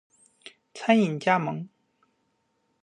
餐饮加盟